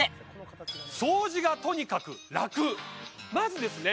まずですね